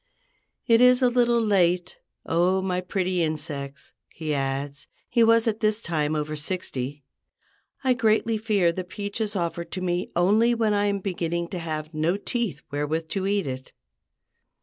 "It is a little late, O my pretty insects," he adds—he was at this time over sixty; "I greatly fear the peach is offered to me only when I am beginning to have no teeth wherewith to eat it."